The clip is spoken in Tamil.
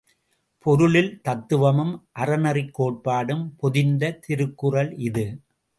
பொருளில் தத்துவமும் அறநெறிக் கோட்பாடும் பொதிந்த திருக்குறள் இது!